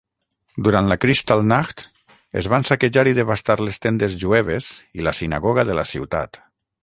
Durant la Kristallnacht, es van saquejar i devastar les tendes jueves i la sinagoga de la ciutat.